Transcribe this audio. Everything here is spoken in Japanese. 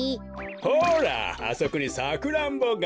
ほらあそこにサクランボが。